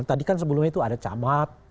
tadi kan sebelumnya itu ada camat